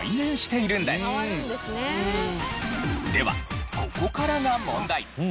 ではここからが問題。